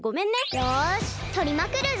よしとりまくるぞ！